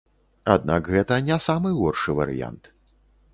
Аднак гэта не самы горшы варыянт.